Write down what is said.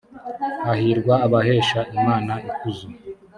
hahirwa abahesha imana ikuzo